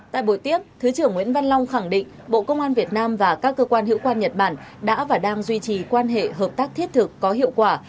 tại buổi tiếp thứ trưởng nguyễn văn long khẳng định bộ công an việt nam và các cơ quan hữu quan nhật bản đã và đang duy trì quan hệ hợp tác thiết thực có hiệu quả